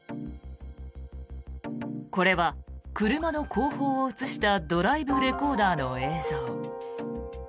これは車の後方を映したドライブレコーダーの映像。